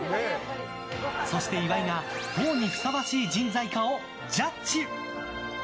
そして岩井が党にふさわしい人材かをジャッジ。